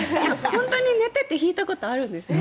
本当に寝ていて弾いたことがあるんです。